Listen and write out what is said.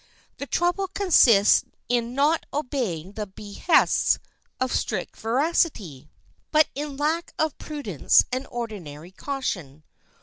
The trouble consists not in obeying the behests of strict veracity, but in lack of prudence and ordinary caution.